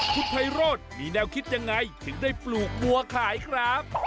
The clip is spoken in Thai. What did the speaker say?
คุณไพโรธมีแนวคิดยังไงถึงได้ปลูกบัวขายครับ